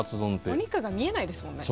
お肉が見えないですもんね。